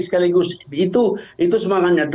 sekaligus itu semangatnya